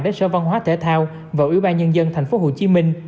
đến sở văn hóa thể thao và ủy ban nhân dân tp hcm